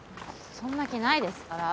そんな気ないですから。